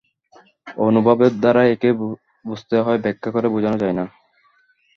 অনুভবের দ্বারাই একে বুঝতে হয়, ব্যাখ্যা করে বোঝানো যায় না।